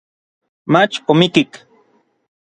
mach omikik.